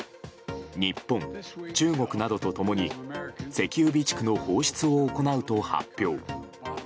日本、中国などと共に石油備蓄の放出を行うと発表。